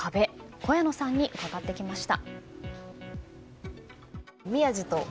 小谷野さんに伺ってきました。